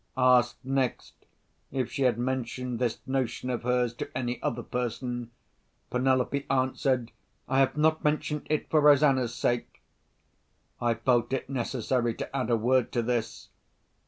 Asked next, if she had mentioned this notion of hers to any other person, Penelope answered, "I have not mentioned it, for Rosanna's sake." I felt it necessary to add a word to this.